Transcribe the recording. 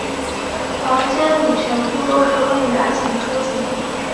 房间里全部都是关于爱情的书籍。